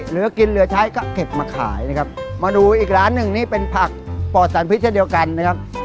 เหลือกินเหลือใช้ก็เก็บมาขายนะครับมาดูอีกร้านหนึ่งนี่เป็นผักปอดสารพิษเช่นเดียวกันนะครับ